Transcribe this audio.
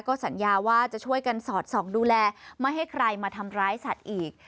ก็สัญญาว่าจะช่วยกันสอดส่องดูแลไม่ให้ใครมาทำร้ายสัตว์อีก